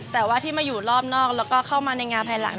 แต่ว่าที่มาอยู่รอบนอกแล้วก็เข้ามาในงานภายหลัง